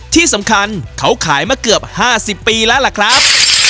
ที่สำคัญเขาขายมาเกือบ๕๐ปีแล้วล่ะครับ